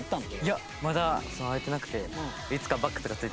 いやまだ会えてなくて。